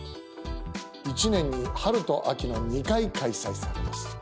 一年に春と秋の２回開催されます。